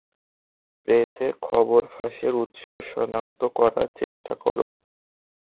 প্রেসে খবর ফাঁসের উৎস শনাক্ত করার চেষ্টা করো।